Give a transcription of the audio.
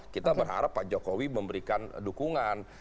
kita berharap pak jokowi memberikan dukungan